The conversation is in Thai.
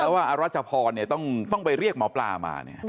ว่าอรัชพรต้องไปเรียกหมอปลามา